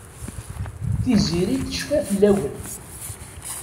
Tiziri tecfa fell-awen.